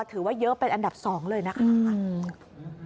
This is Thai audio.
ถือว่าเยอะเป็นอันดับ๒เลยนะคะ